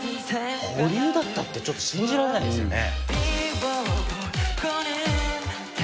保留だったってちょっと信じられないですよね。